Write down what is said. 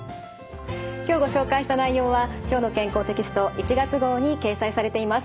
今日ご紹介した内容は「きょうの健康」テキスト１月号に掲載されています。